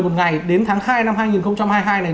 một ngày đến tháng hai năm hai nghìn hai mươi hai này